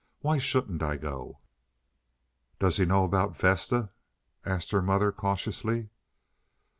Why shouldn't I go?" "Does he know about Vesta?" asked her mother cautiously.